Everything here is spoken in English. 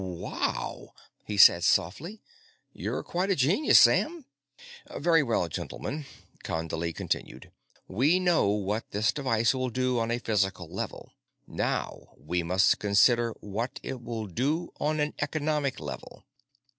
"Wow," he said softly. "You're quite a genius, Sam." "Very well, gentlemen," Condley continued, "we know what this device will do on a physical level. Now we must consider what it will do on an economic level.